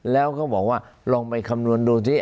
แล้วก็บอกว่าลองไปคำนวณดูนี่